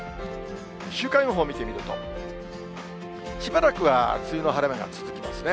週間予報見てみると、しばらくは梅雨の晴れ間が続きますね。